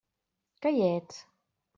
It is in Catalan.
Que hi ets?